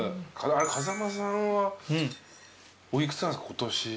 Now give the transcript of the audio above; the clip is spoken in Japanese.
風間さんはお幾つなんですか？